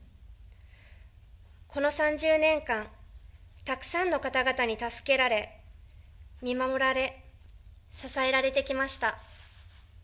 この３０年間、たくさんの方々に助けられ、見守られ、支えられてきました。